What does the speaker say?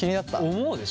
思うでしょ？